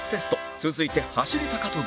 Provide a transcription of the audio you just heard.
続いて走り高跳び